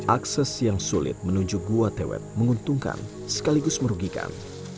akses yang sulit menuju gua tewet menguntungkan sekaligus merugikan